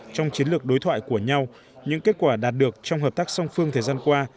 trong chiến lược đối thoại của nhau những kết quả đạt được trong hợp tác song phương thời gian qua